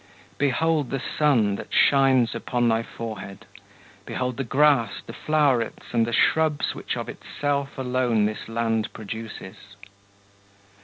Behold the sun, that shines upon thy forehead; Behold the grass, the flowerets, and the shrubs Which of itself alone this land produces.